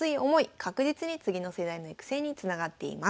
確実に次の世代の育成につながっています。